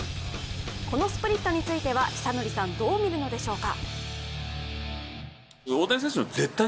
このスプリットについては尚成さん、どう見るのでしょうか。